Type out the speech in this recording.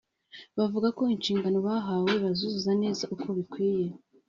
bavuga ko inshingano bahawe bazazuzuza neza uko bikwiye